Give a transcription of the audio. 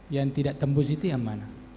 yang tidak tembus itu yang mana